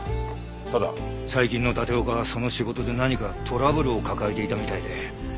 最近の立岡はその仕事で何かトラブルを抱えていたみたいで。